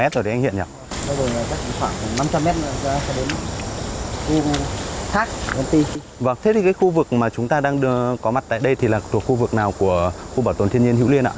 thế thì khu vực mà chúng ta đang có mặt tại đây là khu vực nào của khu bảo tồn thiên nhiên hữu liên ạ